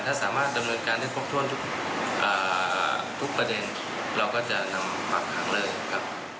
ถ้าสามารถดำเนินการได้ครบถ้วนทุกประเด็นเราก็จะนำฝากขังเลยครับ